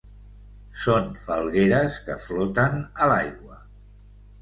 Són falgueres que floten a l'aigua.